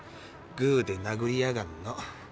グーでなぐりやがんの。